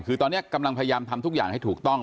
คือตอนนี้กำลังพยายามทำทุกอย่างให้ถูกต้อง